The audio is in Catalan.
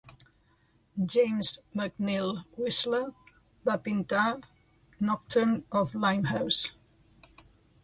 James McNeill Whistler va pintar "Nocturne of Limehouse".